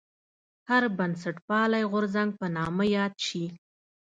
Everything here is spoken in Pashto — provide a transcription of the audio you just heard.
هر بنسټپالی غورځنګ په نامه یاد شي.